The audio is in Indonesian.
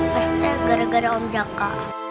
pasti gara gara om jaka